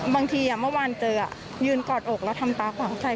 บางทีเมื่อวานเจอยืนกอดอกแล้วทำตาขวางใส่